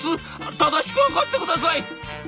正しく測ってください！」。